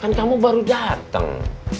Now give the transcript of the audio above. kan kamu baru datang